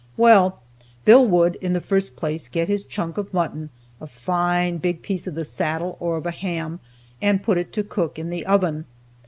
Well, Bill would, in the first place, get his chunk of mutton, a fine big piece of the saddle, or of a ham, and put it on to cook in the oven.